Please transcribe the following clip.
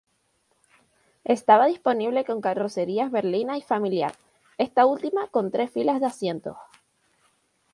Estaba disponible con carrocerías berlina y familiar, esta última con tres filas de asientos.